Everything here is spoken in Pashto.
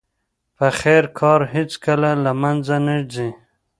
د خیر کار هیڅکله له منځه نه ځي.